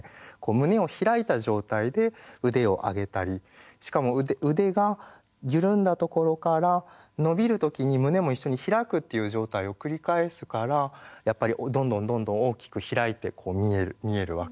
胸を開いた状態で腕を上げたりしかも腕が緩んだところから伸びる時に胸も一緒に開くっていう状態を繰り返すからやっぱりどんどんどんどん大きく開いてこう見えるわけですよね。